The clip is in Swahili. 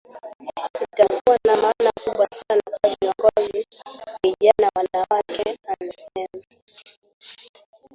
Itakuwa na maana kubwa sana kwa viongozi vijana wanawake amesema